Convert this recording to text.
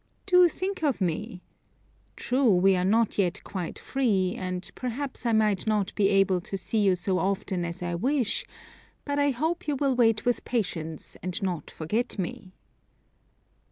Do think of me! True, we are not yet quite free, and perhaps I might not be able to see you so often as I wish; but I hope you will wait with patience, and not forget me."